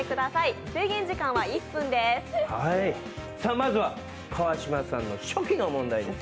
まずは川島さんの初期の問題です。